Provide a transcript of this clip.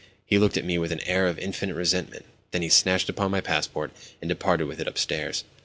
He looked at me with an air of infinite resentment. Then he snatched up my passport, and departed with it upstairs.